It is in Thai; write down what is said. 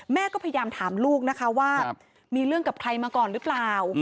แม่ก็พยายามถามลูกนะคะว่ามีเรื่องกับใครมาก่อนหรือเปล่า